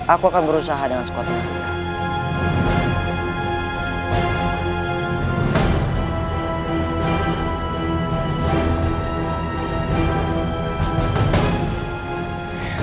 aku akan berusaha dengan sekuatnya